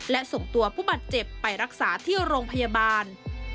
และส่งตัวผู้บาดเจ็บไปรักษาที่โรงพยาบาล